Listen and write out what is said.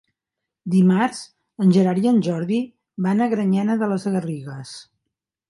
Dimarts en Gerard i en Jordi van a Granyena de les Garrigues.